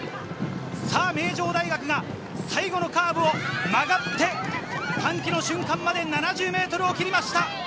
名城大学が最後のカーブを曲がって歓喜の瞬間まで７０ｍを切りました！